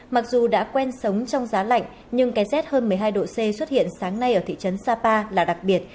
mặc dù đã quen sống trong giá lạnh nhưng cái rét hơn một mươi hai độ c xuất hiện sáng nay ở thị trấn sapa là đặc biệt